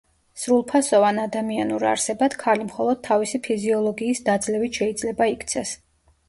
სრულფასოვან ადამიანურ არსებად ქალი მხოლოდ თავისი ფიზიოლოგიის დაძლევით შეიძლება იქცეს.